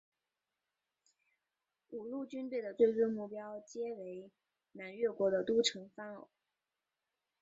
五路军队的最终目标皆为南越国的都城番禺。